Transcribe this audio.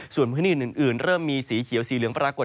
ส่วนพื้นที่อื่นเริ่มมีสีเขียวสีเหลืองปรากฏ